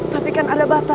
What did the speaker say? tapi kan ada bapaknya